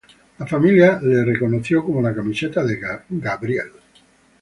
La familia la reconoció como la camiseta de Gabriel.